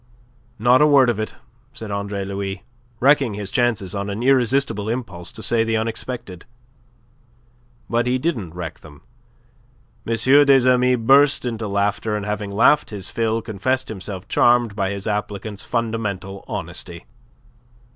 "Not a word of it," said Andre Louis, wrecking his chances on an irresistible impulse to say the unexpected. But he didn't wreck them. M. des Amis burst into laughter; and having laughed his fill, confessed himself charmed by his applicant's fundamental honesty.